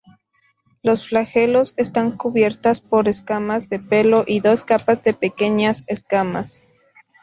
Los flagelos están cubiertas por escamas de pelo y dos capas de pequeñas escamas.